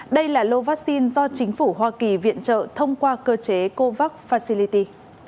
đây là lô vắc xin do chính phủ hoa kỳ viện trợ thông qua cơ chế covax facility